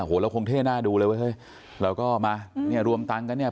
โห้แล้วคงเท่่าน่าดูเลยเว้ยเราก็มานี่รวมตังฯกันเนี่ย